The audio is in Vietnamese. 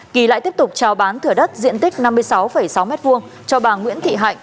kỳ lại tiếp tục trao bán thửa đất diện tích năm mươi sáu sáu m hai cho bà nguyễn thị hạnh